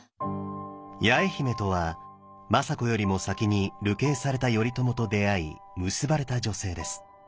八重姫とは政子よりも先に流刑された頼朝と出会い結ばれた女性です。